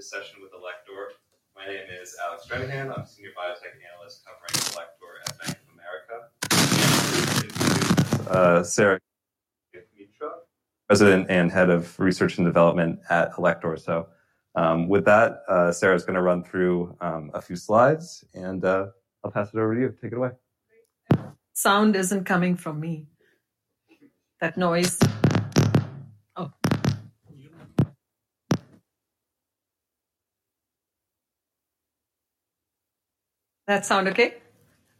The 2025 Bank of America Healthcare Conference. Thanks for joining this session with Alector. My name is Alex Strehan. I'm a senior biotech analyst covering Alector at Bank of America. Sara Kenkare-Mitra. President and head of research and development at Alector. With that, Sara's going to run through a few slides, and I'll pass it over to you. Take it away. Sound isn't coming from me. That noise. Oh. That sound okay?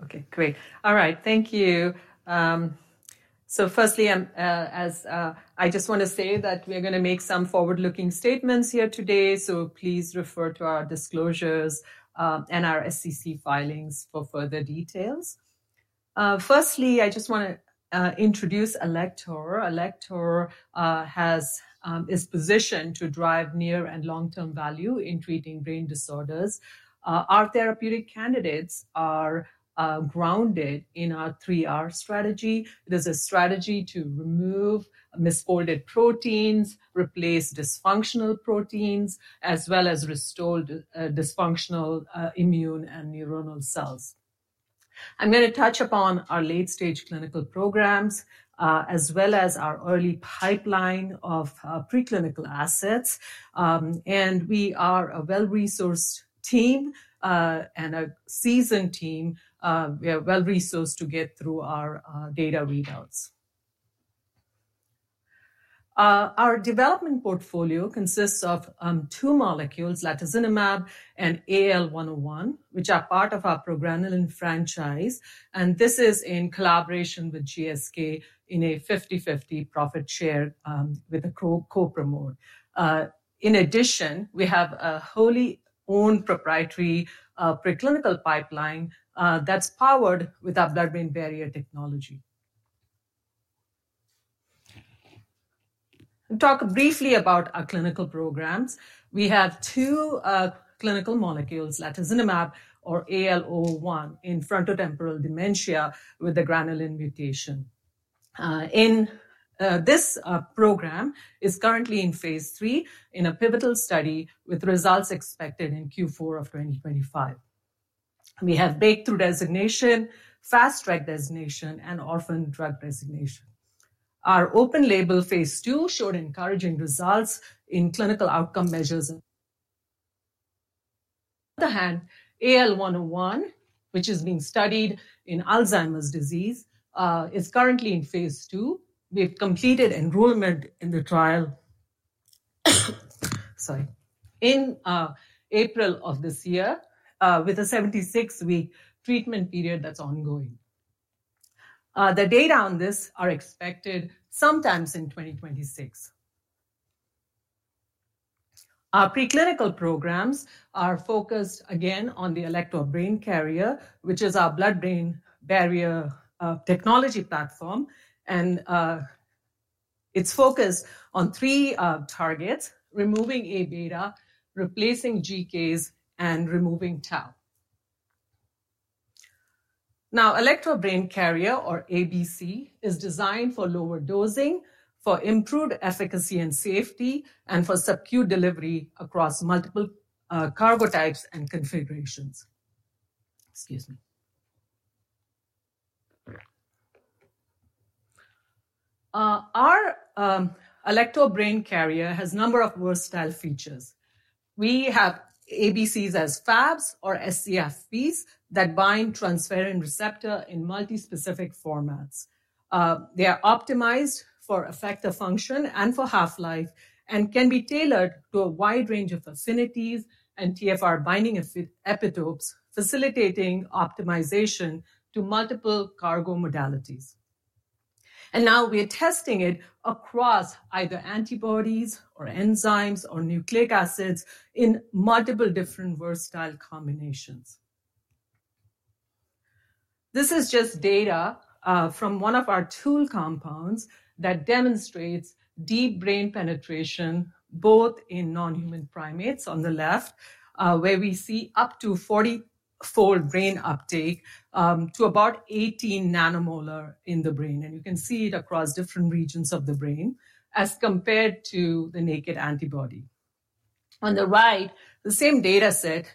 Okay, great. All right, thank you. Firstly, I just want to say that we're going to make some forward-looking statements here today. Please refer to our disclosures and our SEC filings for further details. Firstly, I just want to introduce Alector. Alector has its position to drive near and long-term value in treating brain disorders. Our therapeutic candidates are grounded in our three R strategy. It is a strategy to remove misfolded proteins, replace dysfunctional proteins, as well as restore dysfunctional immune and neuronal cells. I'm going to touch upon our late-stage clinical programs, as well as our early pipeline of preclinical assets. We are a well-resourced team and a seasoned team. We are well-resourced to get through our data readouts. Our development portfolio consists of two molecules, latazinumab and AL101, which are part of our progranulin franchise. This is in collaboration with GSK in a 50/50 profit share with a co-promote. In addition, we have a wholly owned proprietary preclinical pipeline that's powered with our blood-brain barrier technology. Talk briefly about our clinical programs. We have two clinical molecules, latazinumab or AL101, in frontotemporal dementia with a granulin mutation. In this program, it's currently in phase three in a pivotal study with results expected in Q4 of 2025. We have breakthrough designation, fast track designation, and orphan drug designation. Our open label phase two showed encouraging results in clinical outcome measures. On the other hand, AL101, which is being studied in Alzheimer's disease, is currently in phase two. We've completed enrollment in the trial, sorry, in April of this year with a 76-week treatment period that's ongoing. The data on this are expected sometime in 2026. Our preclinical programs are focused again on the Alector Brain Carrier, which is our blood-brain barrier technology platform. It is focused on three targets: removing Aβ, replacing GKs, and removing tau. Now, Alector Brain Carrier, or ABC, is designed for lower dosing, for improved efficacy and safety, and for subcu delivery across multiple cargo types and configurations. Excuse me. Our Alector Brain Carrier has a number of versatile features. We have ABCs as FABs or SCFPs that bind transferrin receptors in multi-specific formats. They are optimized for effective function and for half-life and can be tailored to a wide range of affinities and TFR-binding epitopes, facilitating optimization to multiple cargo modalities. Now we are testing it across either antibodies or enzymes or nucleic acids in multiple different versatile combinations. This is just data from one of our tool compounds that demonstrates deep brain penetration, both in non-human primates on the left, where we see up to 44% brain uptake to about 18 nanomolar in the brain. You can see it across different regions of the brain as compared to the naked antibody. On the right, the same data set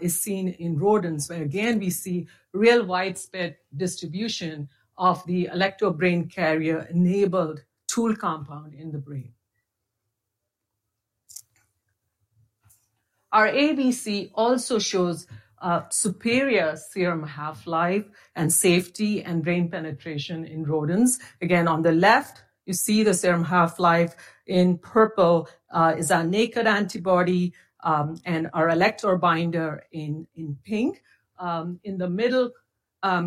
is seen in rodents, where again we see real widespread distribution of the Alector Brain Carrier-enabled tool compound in the brain. Our ABC also shows superior serum half-life and safety and brain penetration in rodents. On the left, you see the serum half-life in purple is our naked antibody and our Alector binder in pink. In the middle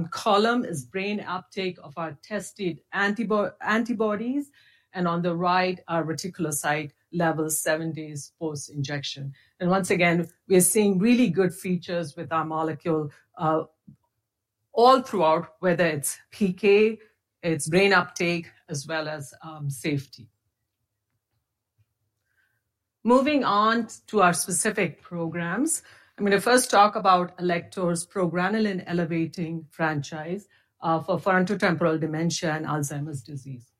column is brain uptake of our tested antibodies. On the right, our reticulocyte level seven days post-injection. Once again, we're seeing really good features with our molecule all throughout, whether it's PK, it's brain uptake, as well as safety. Moving on to our specific programs, I'm going to first talk about Alector's progranulin-elevating franchise for frontotemporal dementia and Alzheimer's disease.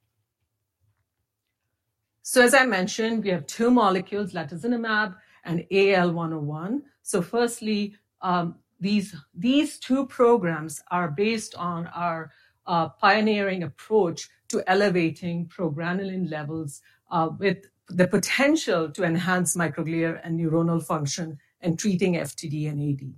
As I mentioned, we have two molecules, latazinumab and AL101. Firstly, these two programs are based on our pioneering approach to elevating progranulin levels with the potential to enhance microglia and neuronal function in treating FTD and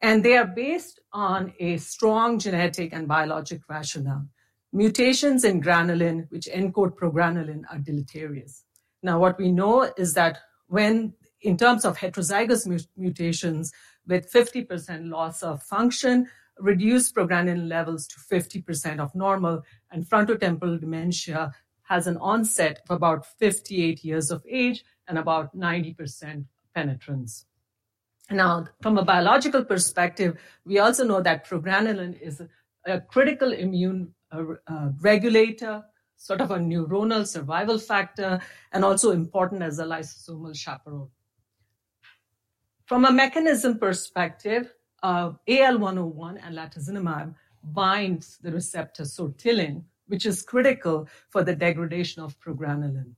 AD. They are based on a strong genetic and biologic rationale. Mutations in granulin, which encode progranulin, are deleterious. What we know is that in terms of heterozygous mutations with 50% loss of function, reduced progranulin levels to 50% of normal, and frontotemporal dementia has an onset of about 58 years of age and about 90% penetrance. Now, from a biological perspective, we also know that progranulin is a critical immune regulator, sort of a neuronal survival factor, and also important as a lysosomal chaperone. From a mechanism perspective, AL101 and latazinumab bind the receptor sortilin, which is critical for the degradation of progranulin.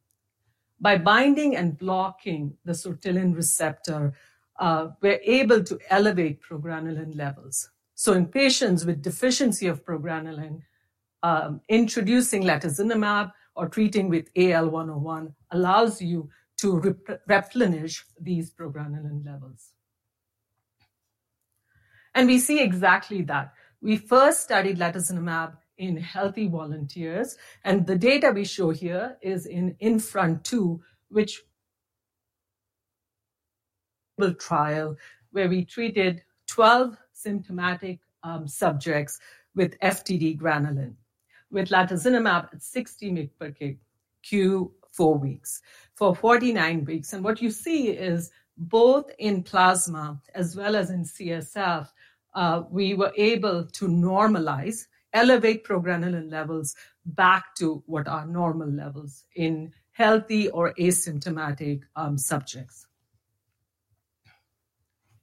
By binding and blocking the sortilin receptor, we are able to elevate progranulin levels. In patients with deficiency of progranulin, introducing latazinumab or treating with AL101 allows you to replenish these progranulin levels. We see exactly that. We first studied latazinumab in healthy volunteers. The data we show here is in INFRAN2, which is a trial where we treated 12 symptomatic subjects with FTD granulin, with latazinumab at 60 mcg q4 weeks for 49 weeks. What you see is both in plasma as well as in CSF, we were able to normalize, elevate progranulin levels back to what are normal levels in healthy or asymptomatic subjects.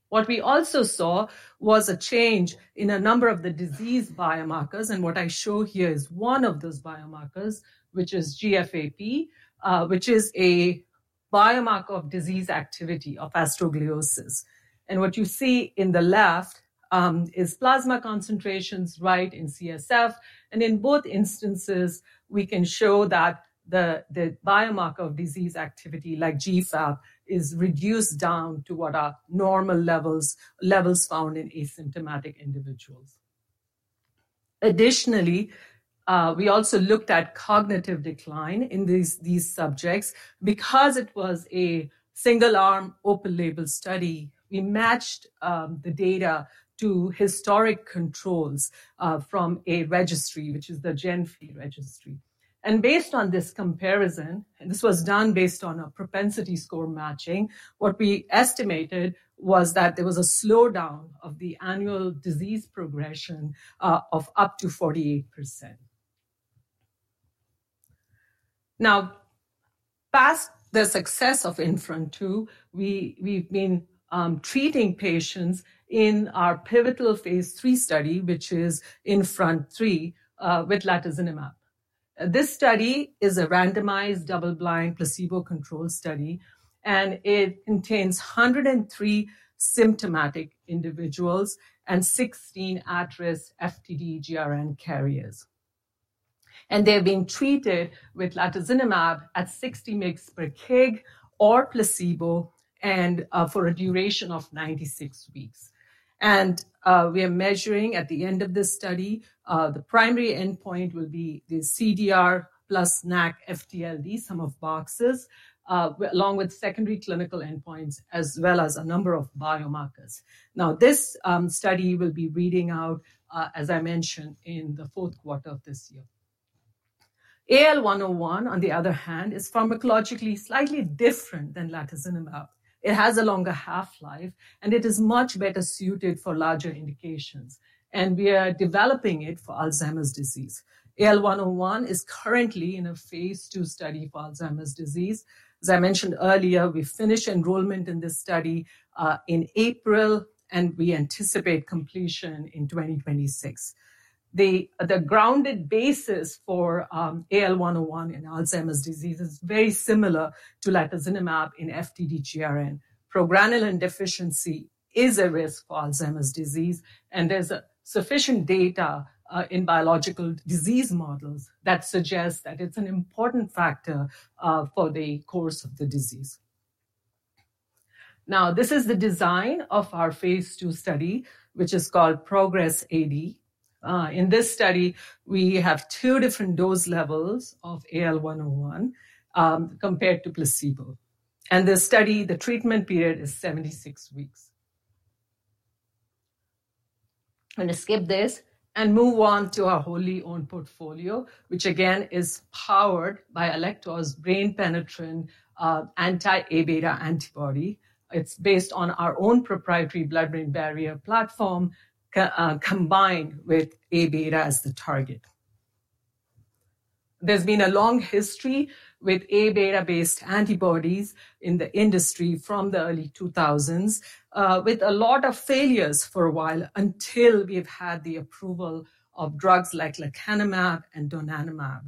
What we also saw was a change in a number of the disease biomarkers. What I show here is one of those biomarkers, which is GFAP, which is a biomarker of disease activity of astrogliosis. What you see on the left is plasma concentrations, right in CSF. In both instances, we can show that the biomarker of disease activity like GFAP is reduced down to what are normal levels found in asymptomatic individuals. Additionally, we also looked at cognitive decline in these subjects. Because it was a single-arm open label study, we matched the data to historic controls from a registry, which is the GenFEE registry. Based on this comparison, this was done based on a propensity score matching, what we estimated was that there was a slowdown of the annual disease progression of up to 48%. Past the success of INFRAN2, we've been treating patients in our pivotal phase three study, which is INFRAN3 with latazinumab. This study is a randomized double-blind placebo-controlled study, and it contains 103 symptomatic individuals and 16 at-risk FTD GRN carriers. They've been treated with latazinumab at 60 mcg or placebo for a duration of 96 weeks. We are measuring at the end of this study, the primary endpoint will be the CDR plus NAC FTLD sum of boxes, along with secondary clinical endpoints, as well as a number of biomarkers. This study will be reading out, as I mentioned, in the fourth quarter of this year. AL101, on the other hand, is pharmacologically slightly different than latazinumab. It has a longer half-life, and it is much better suited for larger indications. We are developing it for Alzheimer's disease. AL101 is currently in a phase two study for Alzheimer's disease. As I mentioned earlier, we finished enrollment in this study in April, and we anticipate completion in 2026. The grounded basis for AL101 in Alzheimer's disease is very similar to latazinumab in FTD GRN. Progranulin deficiency is a risk for Alzheimer's disease, and there is sufficient data in biological disease models that suggest that it is an important factor for the course of the disease. Now, this is the design of our phase two study, which is called Progress AD. In this study, we have two different dose levels of AL101 compared to placebo. In this study, the treatment period is 76 weeks. I'm going to skip this and move on to our wholly owned portfolio, which again is powered by Alector's brain penetrant anti-Aβ antibody. It's based on our own proprietary blood-brain barrier platform combined with Aβ as the target. There's been a long history with Aβ-based antibodies in the industry from the early 2000s, with a lot of failures for a while until we've had the approval of drugs like lecanamab and donanemab.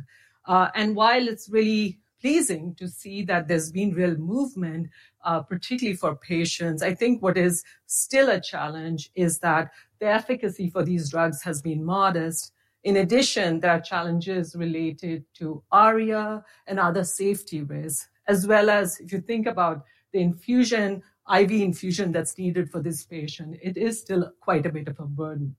While it's really pleasing to see that there's been real movement, particularly for patients, I think what is still a challenge is that the efficacy for these drugs has been modest. In addition, there are challenges related to ARIA and other safety risks, as well as if you think about the infusion, IV infusion that's needed for this patient, it is still quite a bit of a burden.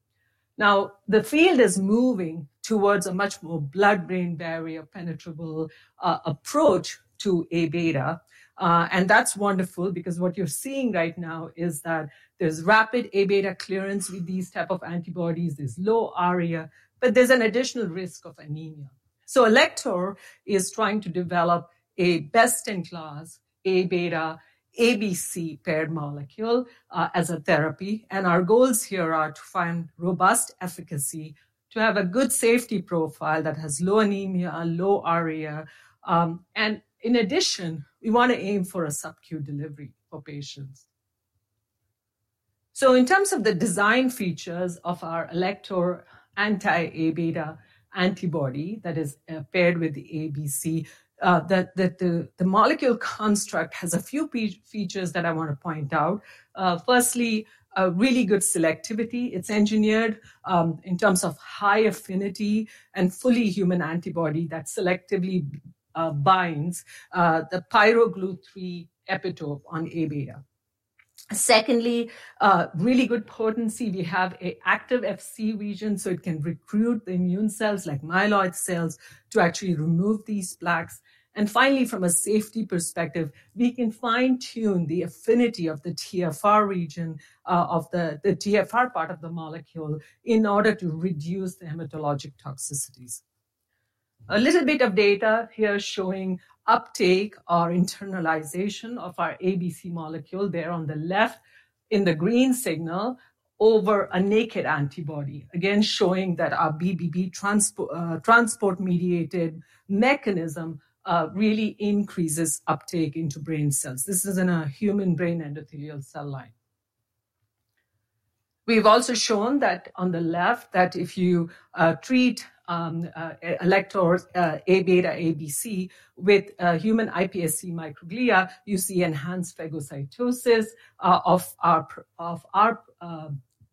Now, the field is moving towards a much more blood-brain barrier penetrable approach to Aβ. That's wonderful because what you're seeing right now is that there's rapid Aβ clearance with these types of antibodies, there's low ARIA, but there's an additional risk of anemia. Alector is trying to develop a best-in-class Aβ-ABC paired molecule as a therapy. Our goals here are to find robust efficacy, to have a good safety profile that has low anemia, low ARIA. In addition, we want to aim for a subcu delivery for patients. In terms of the design features of our Alector anti-Aβ antibody that is paired with the ABC, the molecule construct has a few features that I want to point out. Firstly, really good selectivity. It's engineered in terms of high affinity and fully human antibody that selectively binds the pyroglue-3 epitope on Aβ. Secondly, really good potency. We have an active FC region, so it can recruit the immune cells like myeloid cells to actually remove these plaques. Finally, from a safety perspective, we can fine-tune the affinity of the TFR region of the TFR part of the molecule in order to reduce the hematologic toxicities. A little bit of data here showing uptake or internalization of our ABC molecule. There on the left in the green signal over a naked antibody, again showing that our BBB transport-mediated mechanism really increases uptake into brain cells. This is in a human brain endothelial cell line. We've also shown that on the left that if you treat Alector Aβ ABC with human iPSC microglia, you see enhanced phagocytosis of our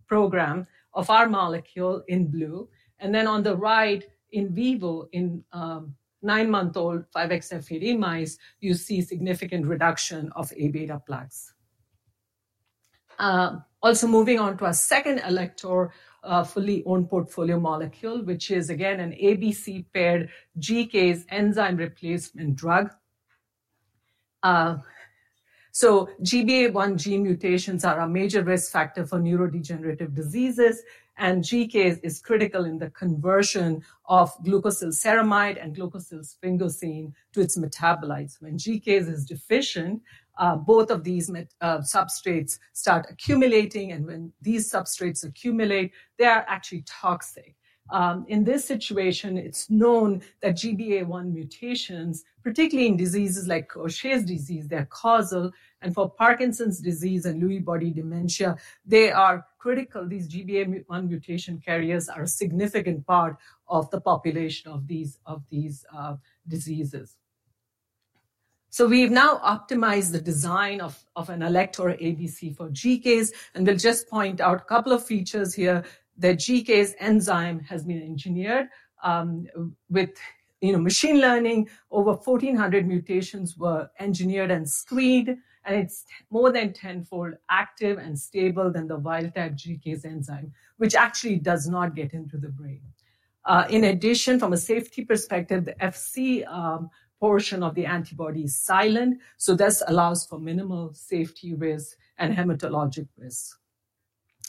program, of our molecule in blue. Then on the right, in vivo, in nine-month-old 5XFAD mice, you see significant reduction of Aβ plaques. Also moving on to our second Alector fully owned portfolio molecule, which is again an ABC paired GCase enzyme replacement drug. GBA1 mutations are a major risk factor for neurodegenerative diseases. GCase is critical in the conversion of glucosyl ceramide and glucosyl sphingosine to its metabolites. When GCase is deficient, both of these substrates start accumulating. When these substrates accumulate, they are actually toxic. In this situation, it's known that GBA1 mutations, particularly in diseases like Gaucher's disease, they're causal. For Parkinson's disease and Lewy body dementia, they are critical. These GBA1 mutation carriers are a significant part of the population of these diseases. We've now optimized the design of an Alector ABC for GCase. I'll just point out a couple of features here. The GCase enzyme has been engineered with machine learning. Over 1,400 mutations were engineered and screened. It is more than tenfold active and stable than the wild-type GBA1 enzyme, which actually does not get into the brain. In addition, from a safety perspective, the Fc portion of the antibody is silent. This allows for minimal safety risk and hematologic risk.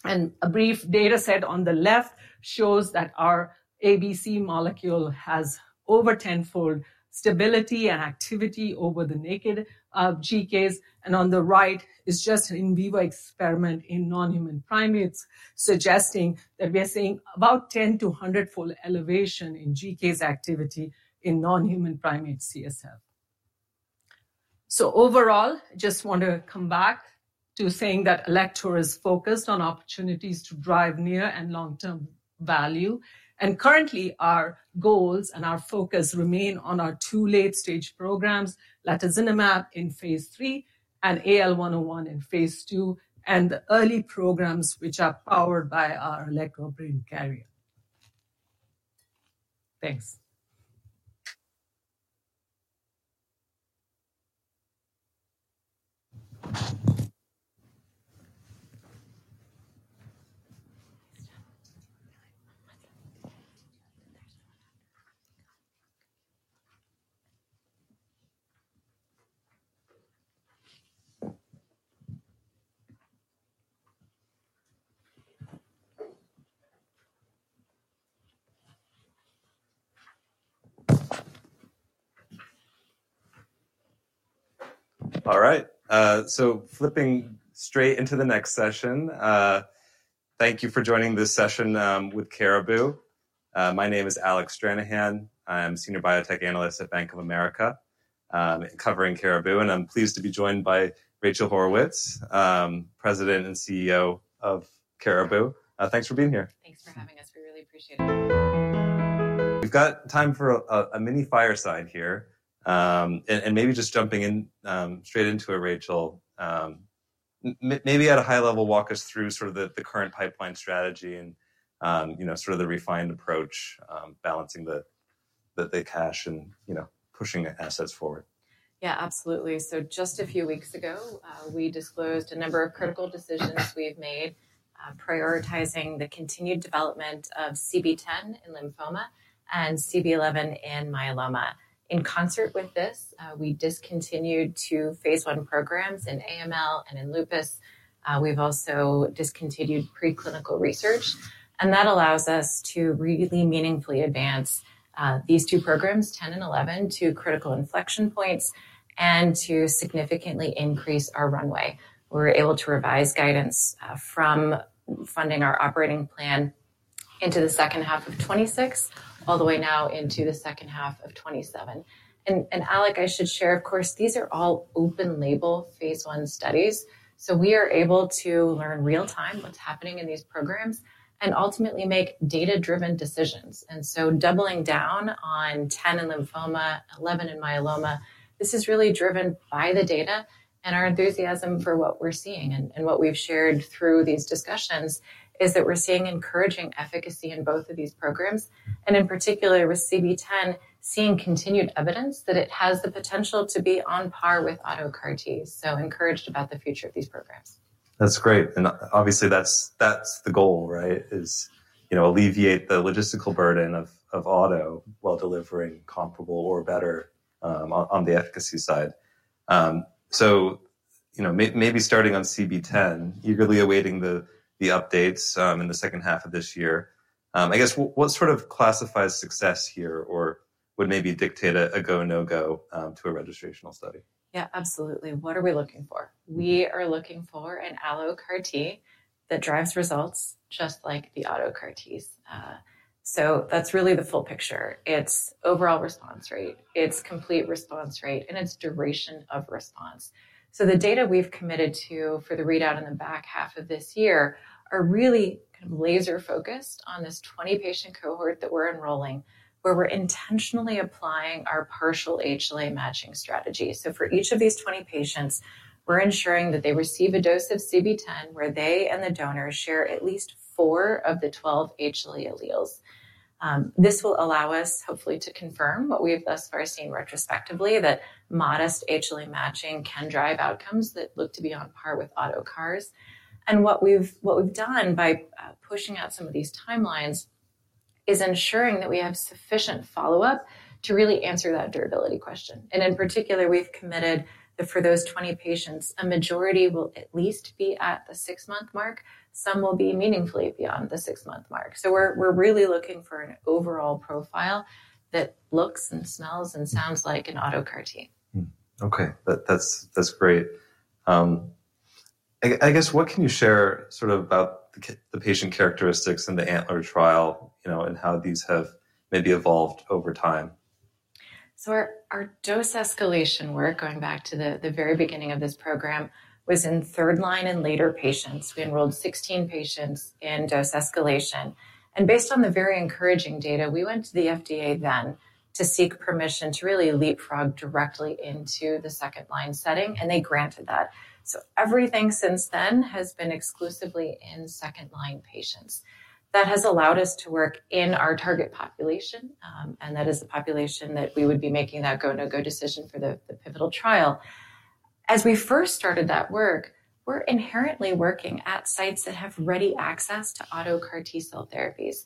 A brief data set on the left shows that our ABC molecule has over tenfold stability and activity over the naked GBA1. On the right is just an in vivo experiment in non-human primates, suggesting that we are seeing about 10-100-fold elevation in GBA1 activity in non-human primate CSF. Overall, I just want to come back to saying that Alector is focused on opportunities to drive near and long-term value. Currently, our goals and our focus remain on our two late-stage programs, latazinumab in phase three and AL101 in phase two, and the early programs which are powered by our Alector Brain Carrier. Thanks. All right. Flipping straight into the next session, thank you for joining this session with Caribou. My name is Alex Stranahan. I'm a senior biotech analyst at Bank of America covering Caribou. I'm pleased to be joined by Rachel Haurwitz, president and CEO of Caribou. Thanks for being here. Thanks for having us. We really appreciate it. We've got time for a mini fire sign here. Maybe just jumping straight into it, Rachel, maybe at a high level, walk us through sort of the current pipeline strategy and sort of the refined approach, balancing the cash and pushing assets forward. Yeah, absolutely. Just a few weeks ago, we disclosed a number of critical decisions we've made, prioritizing the continued development of CB-010 in lymphoma and CB-011 in myeloma. In concert with this, we discontinued two phase I programs in AML and in lupus. We've also discontinued preclinical research. That allows us to really meaningfully advance these two programs, 010 and 011, to critical inflection points and to significantly increase our runway. We were able to revise guidance from funding our operating plan into the second half of 2026, all the way now into the second half of 2027. Alec, I should share, of course, these are all open-label phase I studies. We are able to learn real-time what's happening in these programs and ultimately make data-driven decisions. Doubling down on 010 in lymphoma, 011 in myeloma, this is really driven by the data. Our enthusiasm for what we're seeing and what we've shared through these discussions is that we're seeing encouraging efficacy in both of these programs. In particular, with CB-010, seeing continued evidence that it has the potential to be on par with auto CAR-Ts. Encouraged about the future of these programs. That's great. Obviously, that's the goal, right, is alleviate the logistical burden of auto while delivering comparable or better on the efficacy side. Maybe starting on CB-010, eagerly awaiting the updates in the second half of this year. I guess, what sort of classifies success here or would maybe dictate a go/no-go to a registrational study? Yeah, absolutely. What are we looking for? We are looking for an allogeneic CAR-T that drives results just like the auto CAR-Ts. That's really the full picture. It's overall response rate, it's complete response rate, and it's duration of response. The data we've committed to for the readout in the back half of this year are really kind of laser-focused on this 20-patient cohort that we're enrolling, where we're intentionally applying our partial HLA matching strategy. For each of these 20 patients, we're ensuring that they receive a dose of CB-010 where they and the donor share at least four of the 12 HLA alleles. This will allow us, hopefully, to confirm what we have thus far seen retrospectively, that modest HLA matching can drive outcomes that look to be on par with auto CARs. What we've done by pushing out some of these timelines is ensuring that we have sufficient follow-up to really answer that durability question. In particular, we've committed that for those 20 patients, a majority will at least be at the six-month mark. Some will be meaningfully beyond the six-month mark. We are really looking for an overall profile that looks and smells and sounds like an auto CAR-T. Okay. That's great. I guess, what can you share sort of about the patient characteristics and the antler trial and how these have maybe evolved over time? Our dose escalation work, going back to the very beginning of this program, was in third line and later patients. We enrolled 16 patients in dose escalation. Based on the very encouraging data, we went to the FDA then to seek permission to really leapfrog directly into the second line setting. They granted that. Everything since then has been exclusively in second line patients. That has allowed us to work in our target population. That is the population that we would be making that go/no-go decision for the pivotal trial. As we first started that work, we're inherently working at sites that have ready access to auto CAR-T cell therapies.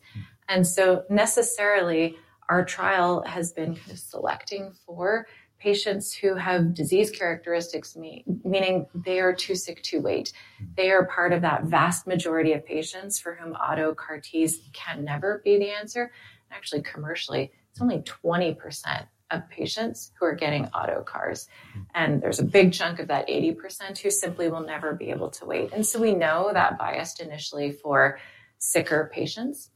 Necessarily, our trial has been kind of selecting for patients who have disease characteristics, meaning they are too sick to wait. They are part of that vast majority of patients for whom auto CAR-Ts can never be the answer. Actually, commercially, it's only 20% of patients who are getting auto CARs. There's a big chunk of that 80% who simply will never be able to wait. We know that biased initially for sicker patients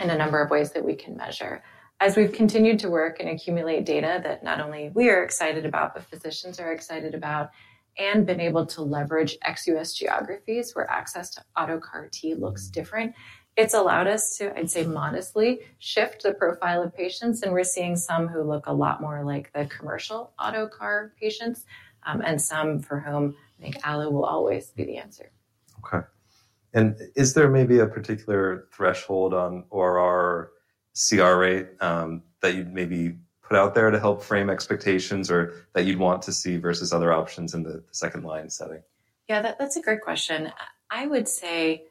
in a number of ways that we can measure. As we've continued to work and accumulate data that not only we are excited about, but physicians are excited about, and been able to leverage ex-U.S. geographies where access to auto CAR-T looks different, it's allowed us to, I'd say, modestly shift the profile of patients. We're seeing some who look a lot more like the commercial auto CAR-T patients and some for whom I think allo will always be the answer. Okay. Is there maybe a particular threshold on our CR rate that you'd maybe put out there to help frame expectations or that you'd want to see versus other options in the second line setting? Yeah, that's a great question. I would say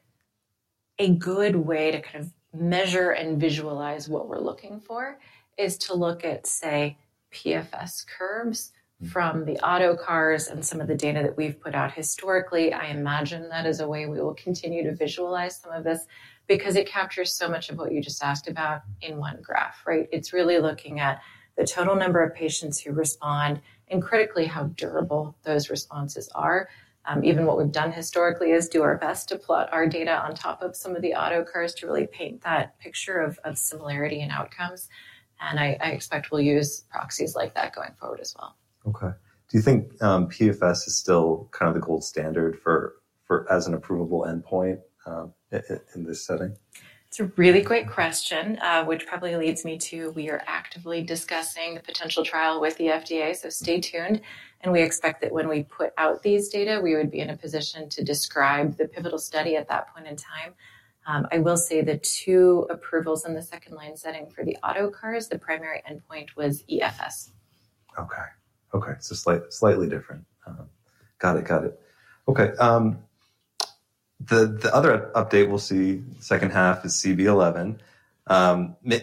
a good way to kind of measure and visualize what we're looking for is to look at, say, PFS curves from the auto CARs and some of the data that we've put out historically. I imagine that is a way we will continue to visualize some of this because it captures so much of what you just asked about in one graph, right? It's really looking at the total number of patients who respond and critically how durable those responses are. Even what we've done historically is do our best to plot our data on top of some of the auto CARs to really paint that picture of similarity and outcomes. I expect we'll use proxies like that going forward as well. Okay. Do you think PFS is still kind of the gold standard as an approvable endpoint in this setting? It's a really great question, which probably leads me to we are actively discussing the potential trial with the FDA. Stay tuned. We expect that when we put out these data, we would be in a position to describe the pivotal study at that point in time. I will say the two approvals in the second line setting for the auto CARs, the primary endpoint was EFS. Okay. Okay. Slightly different. Got it. Got it. Okay. The other update we'll see second half is CB-011.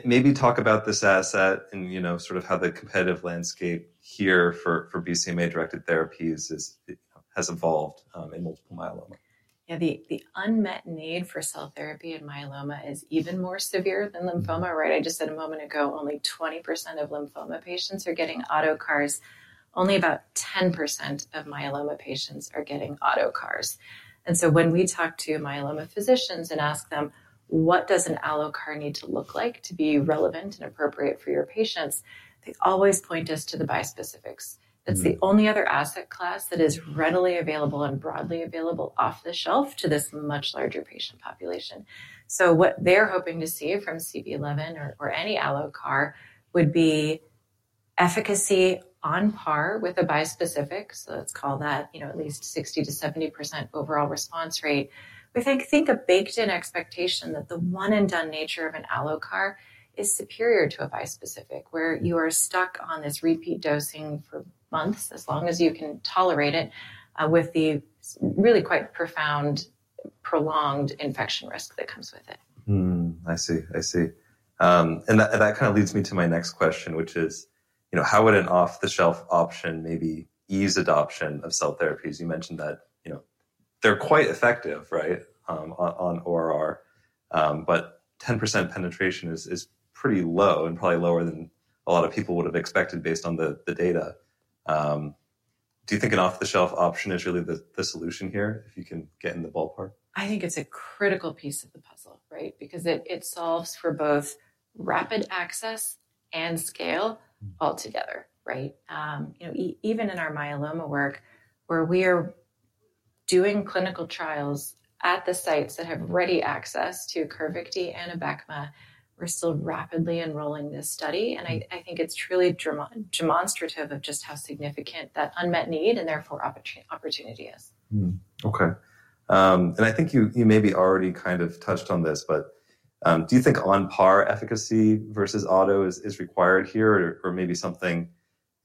Maybe talk about this asset and sort of how the competitive landscape here for BCMA-directed therapies has evolved in multiple myeloma. Yeah, the unmet need for cell therapy in myeloma is even more severe than lymphoma, right? I just said a moment ago, only 20% of lymphoma patients are getting auto CARs. Only about 10% of myeloma patients are getting auto CARs. When we talk to myeloma physicians and ask them, "What does an allo-CAR need to look like to be relevant and appropriate for your patients?" they always point us to the bispecifics. That is the only other asset class that is readily available and broadly available off the shelf to this much larger patient population. What they are hoping to see from CB-011 or any allo-CAR would be efficacy on par with a bispecific. Let's call that at least 60-70% overall response rate. We think a baked-in expectation that the one-and-done nature of an allo-CAR is superior to a bispecific, where you are stuck on this repeat dosing for months as long as you can tolerate it with the really quite profound prolonged infection risk that comes with it. I see. I see. That kind of leads me to my next question, which is, how would an off-the-shelf option maybe ease adoption of cell therapies? You mentioned that they're quite effective, right, or are. But 10% penetration is pretty low and probably lower than a lot of people would have expected based on the data. Do you think an off-the-shelf option is really the solution here if you can get in the ballpark? I think it's a critical piece of the puzzle, right, because it solves for both rapid access and scale altogether, right? Even in our myeloma work, where we are doing clinical trials at the sites that have ready access to CAR-T and Abecma, we're still rapidly enrolling this study. I think it's truly demonstrative of just how significant that unmet need and therefore opportunity is. Okay. I think you maybe already kind of touched on this, but do you think on par efficacy versus auto is required here or maybe something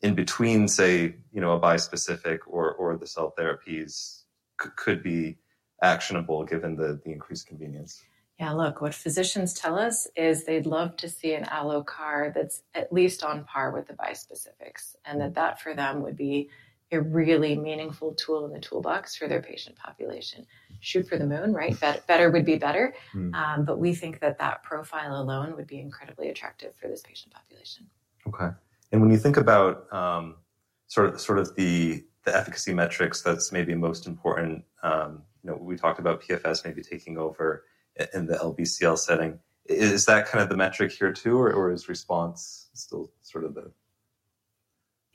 in between, say, a bispecific or the cell therapies could be actionable given the increased convenience? Yeah, look, what physicians tell us is they'd love to see an allo-CAR that's at least on par with the bispecifics and that for them would be a really meaningful tool in the toolbox for their patient population. Shoot for the moon, right? Better would be better. We think that that profile alone would be incredibly attractive for this patient population. Okay. When you think about sort of the efficacy metrics that's maybe most important, we talked about PFS maybe taking over in the LBCL setting. Is that kind of the metric here too, or is response still sort of the?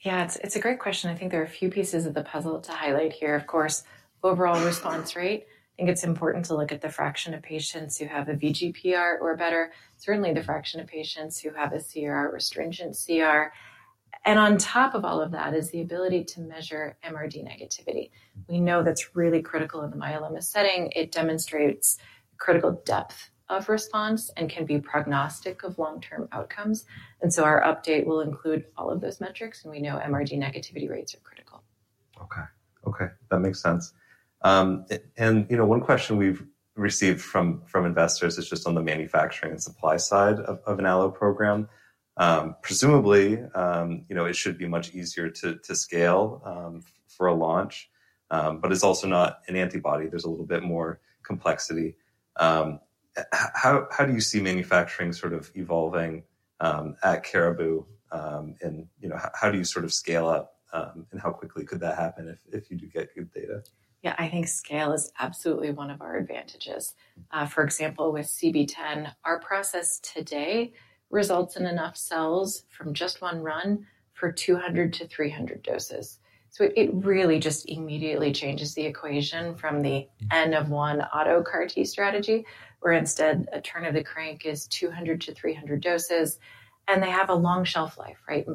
Yeah, it's a great question. I think there are a few pieces of the puzzle to highlight here. Of course, overall response rate. I think it's important to look at the fraction of patients who have a VGPR or better, certainly the fraction of patients who have a CR, restringent CR. On top of all of that is the ability to measure MRD negativity. We know that's really critical in the myeloma setting. It demonstrates critical depth of response and can be prognostic of long-term outcomes. Our update will include all of those metrics. We know MRD negativity rates are critical. Okay. That makes sense. One question we've received from investors is just on the manufacturing and supply side of an allo program. Presumably, it should be much easier to scale for a launch, but it's also not an antibody. There's a little bit more complexity. How do you see manufacturing sort of evolving at Caribou? And how do you sort of scale up and how quickly could that happen if you do get good data? Yeah, I think scale is absolutely one of our advantages. For example, with CB-010, our process today results in enough cells from just one run for 200-300 doses. So it really just immediately changes the equation from the end of one auto CAR-T strategy, where instead a turn of the crank is 200-300 doses. And they have a long shelf life, right?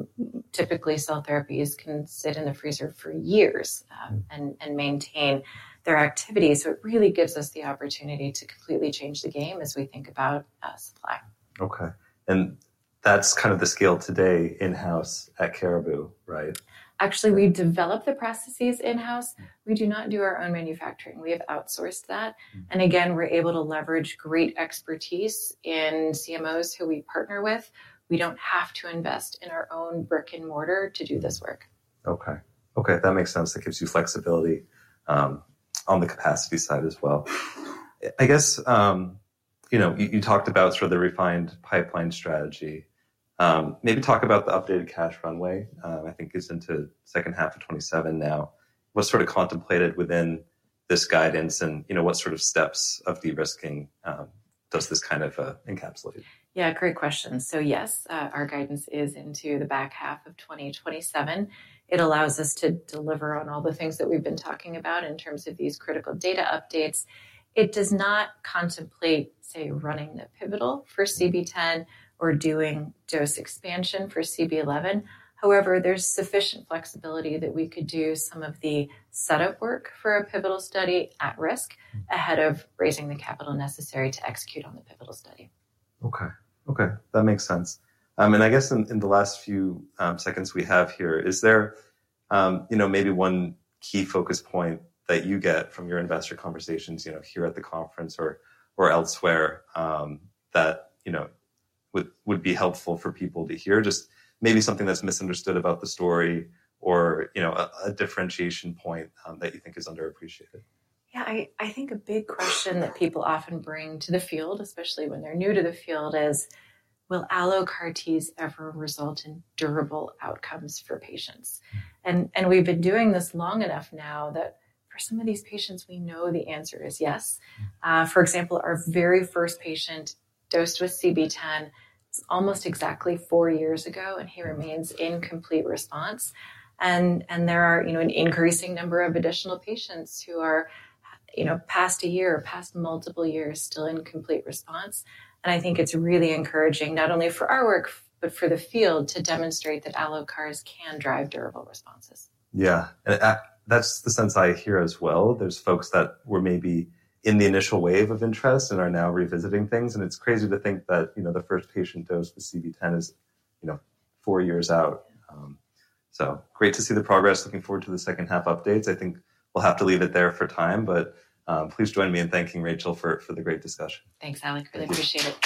Typically, cell therapies can sit in the freezer for years and maintain their activity. It really gives us the opportunity to completely change the game as we think about supply. Okay. And that's kind of the scale today in-house at Caribou, right? Actually, we develop the processes in-house. We do not do our own manufacturing. We have outsourced that. Again, we're able to leverage great expertise in CMOs who we partner with. We don't have to invest in our own brick and mortar to do this work. Okay. Okay. That makes sense. That gives you flexibility on the capacity side as well. I guess you talked about sort of the refined pipeline strategy. Maybe talk about the updated cash runway. I think it's into the second half of 2027 now. What's sort of contemplated within this guidance and what sort of steps of de-risking does this kind of encapsulate? Yeah, great question. Yes, our guidance is into the back half of 2027. It allows us to deliver on all the things that we've been talking about in terms of these critical data updates. It does not contemplate, say, running the pivotal for CB-010 or doing dose expansion for CB-011. However, there's sufficient flexibility that we could do some of the setup work for a pivotal study at risk ahead of raising the capital necessary to execute on the pivotal study. Okay. Okay. That makes sense. I guess in the last few seconds we have here, is there maybe one key focus point that you get from your investor conversations here at the conference or elsewhere that would be helpful for people to hear? Just maybe something that's misunderstood about the story or a differentiation point that you think is underappreciated. Yeah, I think a big question that people often bring to the field, especially when they're new to the field, is, "Will allo-CAR-Ts ever result in durable outcomes for patients?" We've been doing this long enough now that for some of these patients, we know the answer is yes. For example, our very first patient dosed with CB-010, it's almost exactly four years ago, and he remains in complete response. There are an increasing number of additional patients who are past a year, past multiple years, still in complete response. I think it's really encouraging not only for our work, but for the field to demonstrate that allo-CARs can drive durable responses. Yeah. That's the sense I hear as well. There's folks that were maybe in the initial wave of interest and are now revisiting things. It's crazy to think that the first patient dose with CB-010 is four years out. Great to see the progress. Looking forward to the second half updates. I think we'll have to leave it there for time. Please join me in thanking Rachel for the great discussion. Thanks, Alex. Really appreciate it.